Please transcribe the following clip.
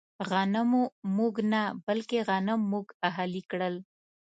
غنمو موږ نه، بلکې غنم موږ اهلي کړل.